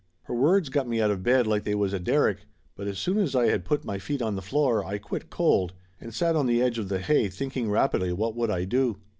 Her words got me out of bed like they was a derrick, but as soon as I had put my feet on the floor I quit cold, and sat on the edge of the hay thinking rapidly what would I do.